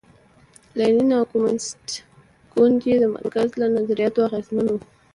لینین او کمونېست ګوند یې د مارکس له نظریاتو اغېزمن و.